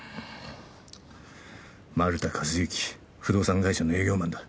丸田和之不動産会社の営業マンだ。